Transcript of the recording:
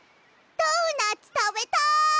ドーナツたべたい！